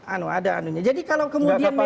anu anu jadi kalau kemudian memang